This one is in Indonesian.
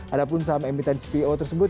ada pun saham emiten cpo tersebut